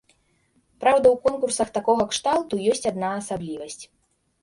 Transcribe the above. Праўда, у конкурсах такога кшталту ёсць адна асаблівасць.